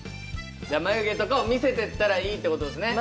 眉毛とかを見せてったらいいってことですね